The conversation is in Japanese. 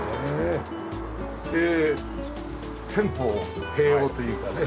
で店舗併用というかね。